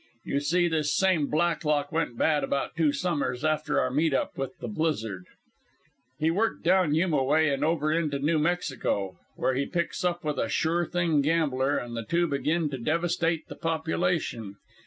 "You see, this same Blacklock went bad about two summers after our meet up with the blizzard. He worked down Yuma way and over into New Mexico, where he picks up with a sure thing gambler, and the two begin to devastate the population.